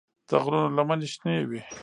د غرونو لمنې شنه وې.